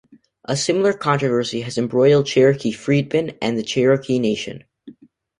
A similar controversy has embroiled Cherokee Freedmen and the Cherokee Nation.